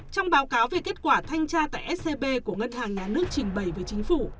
trong báo cáo về kết quả thanh tra tại scb của ngân hàng nhà nước trình bày với chính phủ